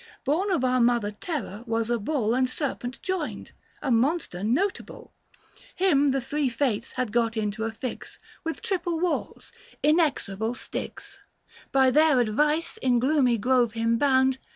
Born of our mother Terra was a bull And serpent joined — a monster notable ! 855 Him the three Fates had got into a fix ; With triple walls, inexorable Styx — By their advice, in gloomy grove him bound.